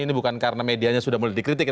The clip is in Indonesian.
ini bukan karena medianya sudah mulai dikritik